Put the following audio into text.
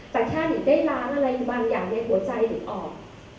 แต่แค่หนิงได้ล้างอะไรบางอย่างในหัวใจหนิงออก